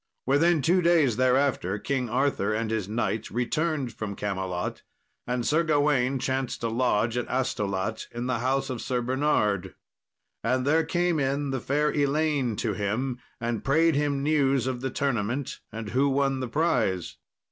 Within two days thereafter King Arthur and his knights returned from Camelot, and Sir Gawain chanced to lodge at Astolat, in the house of Sir Bernard. And there came in the fair Elaine to him, and prayed him news of the tournament, and who won the prize.